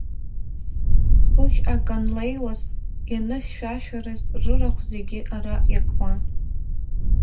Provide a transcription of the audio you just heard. Хыхь акы анлеиуаз, ианыхьшәашәараз рырахә зегьы ара иакуан.